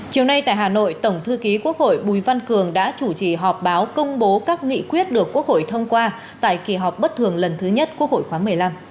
chiều nay tại hà nội tổng thư ký quốc hội bùi văn cường đã chủ trì họp báo công bố các nghị quyết được quốc hội thông qua tại kỳ họp bất thường lần thứ nhất quốc hội khoáng một mươi năm